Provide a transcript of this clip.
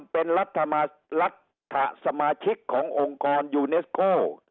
เป็นรัฐสมาชิกขององค์กรยูเนสโก้